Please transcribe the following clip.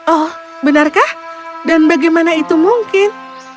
oh benarkah dan bagaimana itu mungkin